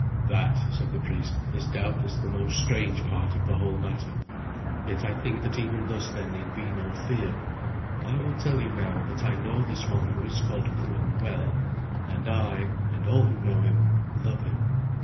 "That," said the priest, "is doubtless the most strange part of the whole matter, yet I think that even thus there need be no fear. I will tell you now that I know this one who is called Curan well, and I, and all who know him, love him.